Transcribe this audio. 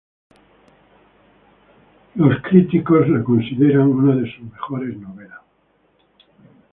Los críticos la consideran una de sus mejores novelas.